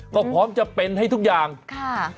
ก็พร้อมจะเป็นให้ทุกอย่างค่ะ